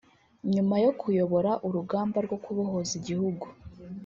nyuma yo kuyobora urugamba rwo kubohoza igihugu